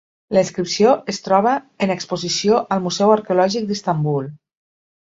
La inscripció es troba en exposició al Museu Arqueològic d'Istanbul.